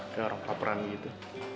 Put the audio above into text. kayak orang paparan gitu